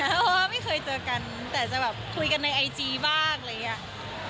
เพราะว่าไม่เคยเจอกันแต่จะแบบคุยกันในไอจีบ้างอะไรอย่างนี้